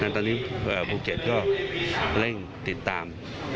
ตอนนี้ภูเก็ตก็เร่งติดตาม